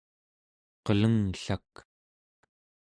qelengllak